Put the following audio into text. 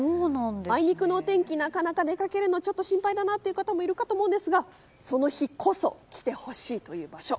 あいにくのお天気、なかなか出かけるのは心配だなという方もいるかと思うんですがその日こそ来てほしいという場所。